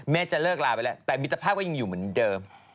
จะเลิกลาไปแล้วแต่มิตรภาพก็ยังอยู่เหมือนเดิม